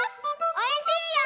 おいしいよ！